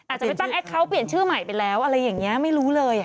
อาจจะไปตั้งแคคเคาน์เปลี่ยนชื่อใหม่ไปแล้วอะไรอย่างนี้ไม่รู้เลย